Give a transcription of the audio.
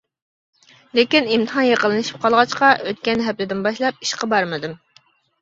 لېكىن ئىمتىھان يېقىنلىشىپ قالغاچقا ئۆتكەن ھەپتىدىن باشلاپ ئىشقا بارمىدىم.